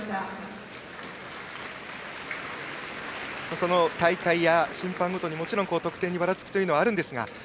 その大会や審判ごとにもちろん得点にばらつきがありますが。